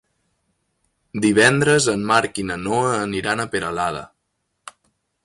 Divendres en Marc i na Noa aniran a Peralada.